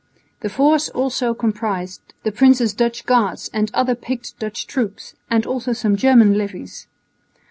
The force also comprised the prince's Dutch guards and other picked Dutch troops, and also some German levies.